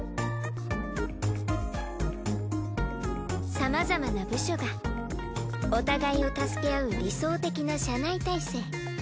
さまざまな部署がお互いを助け合う理想的な社内体制。